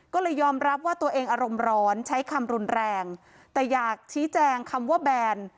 ก็เลยยอมรับว่าตัวเองอารมณ์ร้อนใช้คำรุนแรงแต่อยากชี้แจงคำว่าแบน